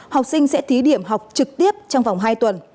học sinh sẽ thí điểm học trực tiếp trong vòng hai tuần